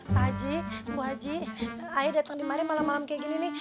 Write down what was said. pak haji bu haji ayo datang kemari malem malem kayak gini nih